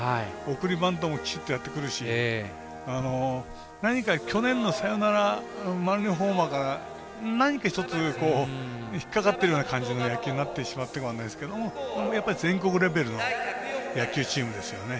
送りバントもきちっとやってくるし何か去年のサヨナラ満塁ホームランから何か１つ引っ掛かってるような感じの野球になってるかもしれないですけど全国レベルの野球チームですよね。